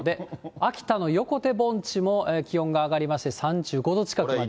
秋田の横手盆地も気温が上がりまして、３５度近くまで。